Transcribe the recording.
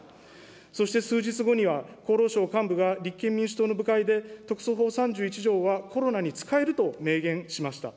そして数日後には、厚労省幹部が立憲民主党の部会で、特措法３１条はコロナに使えると明言しました。